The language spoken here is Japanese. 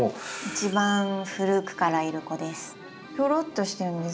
一番古くからいる子です。